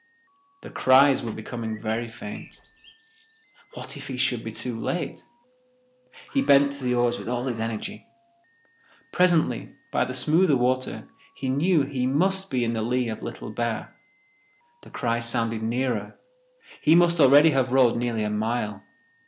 The cries were becoming very faint. What if he should be too late? He bent to the oars with all his energy. Presently, by the smoother water, he knew he must be in the lea of Little Bear. The cries sounded nearer. He must already have rowed nearly a mile.